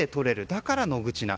だから野口菜。